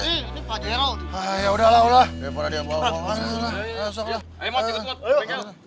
eh ini pak jaya lho